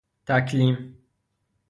تکلیم